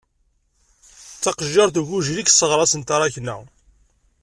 D taqejjiṛt ugujil, i yesɣeṛṣen taṛakna.